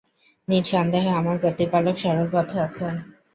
নিঃসন্দেহে আমার প্রতিপালক সরল পথে আছেন।